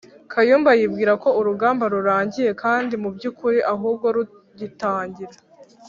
Kayumba yibwira ko urugamba rurangiye kandi mubyukuri ahubwo rugitangira